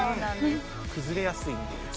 崩れやすいので。